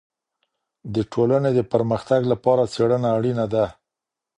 د ټولني د پرمختګ لپاره څېړنه اړینه ده.